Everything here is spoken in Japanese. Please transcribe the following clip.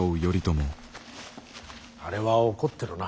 あれは怒ってるな。